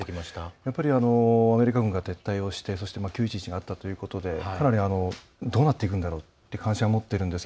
やっぱりアメリカ軍が撤退して９．１１があったということでどうなっていくんだろうと思っていたんですが。